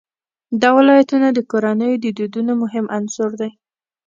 دا ولایتونه د کورنیو د دودونو مهم عنصر دی.